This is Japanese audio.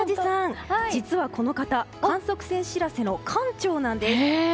実はこの方、観測船「しらせ」の艦長なんです。